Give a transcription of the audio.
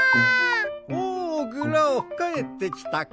おおグラオかえってきたか。